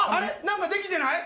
なんかできてない？